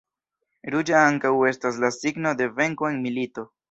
Ruĝa ankaŭ estas la signo de venko en milito.